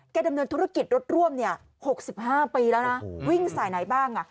ดำเนินธุรกิจรถร่วม๖๕ปีแล้วนะวิ่งสายไหนบ้าง